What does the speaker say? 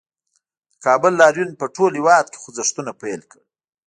د کابل لاریون په ټول هېواد کې خوځښتونه پیل کړل